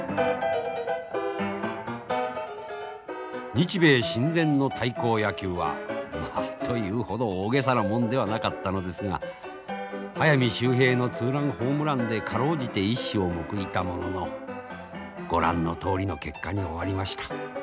日米親善の対抗野球はまあというほど大げさなもんではなかったのですが速水秀平のツーランホームランで辛うじて一矢を報いたもののご覧のとおりの結果に終わりました。